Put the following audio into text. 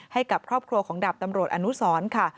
ให้กับครอบครัวของดาบตำรวจอนุสรค่ะ